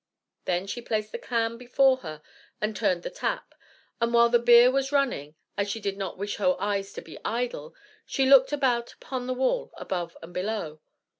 Then she placed the can before her and turned the tap, and while the beer was running, as she did not wish her eyes to be idle, she looked about upon the wall above and below.